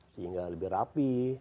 sehingga lebih rapi